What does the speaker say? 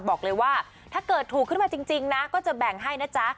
บอกเลยว่าถ้าเกิดถูกขึ้นมาจริงนะก็จะแบ่งให้นะจ๊ะ